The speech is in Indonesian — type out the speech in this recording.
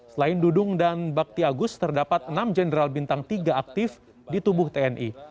selain dudung dan bakti agus terdapat enam jenderal bintang tiga aktif di tubuh tni